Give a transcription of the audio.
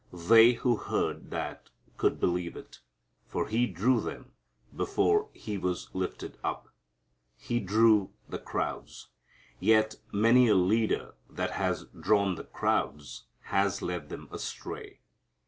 They who heard that could believe it, for He drew them before He was lifted up. He drew the crowds. Yet many a leader that has drawn the crowds has led them astray.